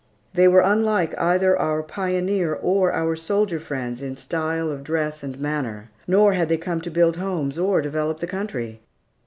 They were unlike either our pioneer or our soldier friends in style of dress and manner. Nor had they come to build homes or develop the country.